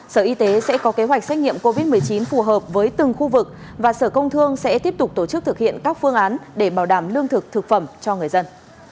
sở y tế sẽ có kế hoạch xét nghiệm covid một mươi chín phù hợp với từng khu vực và sở công thương sẽ tiếp tục tổ chức thực hiện các phương án để bảo đảm lương thực thực phẩm cho người dân